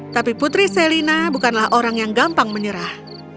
tapi putri selina bukanlah orang yang gampang menyerah